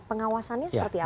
pengawasannya seperti apa